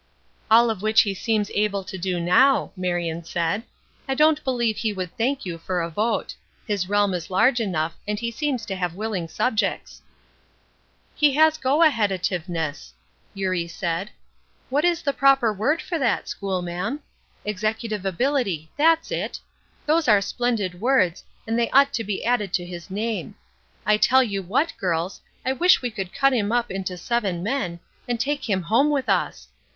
"All of which he seems able to do now," Marion said. "I don't believe he would thank you for a vote. His realm is large enough, and he seems to have willing subjects." "He has go ahead a tive ness." Eurie said. "What is the proper word for that, school ma'am? Executive ability, that's it. Those are splendid words, and they ought to be added to his name. I tell you what, girls, I wish we could cut him up into seven men, and take him home with us.